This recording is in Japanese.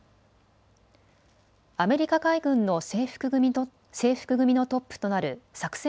アメリカ海軍の制服組のトップとなる作戦